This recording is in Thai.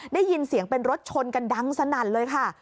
ได้ยินเสียงเป็นรถชนกันดังสนั่นเลยค่ะ